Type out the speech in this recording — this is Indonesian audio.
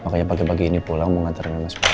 makanya pagi pagi ini pulang mau ngantarin sama sekolah